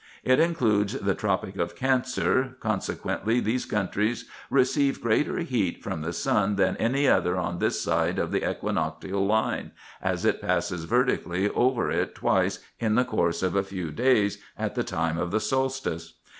It includes the tropic of Cancer, consequently these countries receive greater heat from the sun than any other on this side of the equinoctial line, as it passes vertically over it twice in the course of a few days, at the time of the solstice.